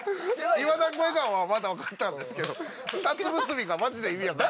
岩団子笑顔はまだわかったんですけど２つ結びがマジで意味わかんない。